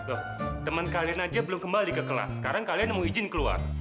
oh temen kalian aja belum kembali ke kelas sekarang kalian mau izin keluar